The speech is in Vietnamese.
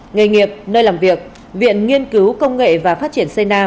nghề nghiệp nơi làm việc viện nghiên cứu công nghệ và phát triển sê na